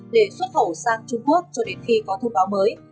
để xuất khẩu sang trung quốc cho đến khi có thông báo mới